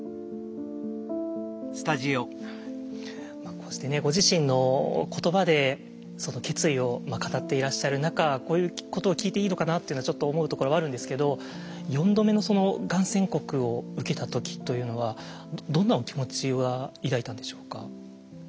こうしてねご自身の言葉でその決意を語っていらっしゃる中こういうことを聞いていいのかなというのはちょっと思うところはあるんですけど４度目のがん宣告を受けた時というのはどんなお気持ちは抱いたんでしょうか。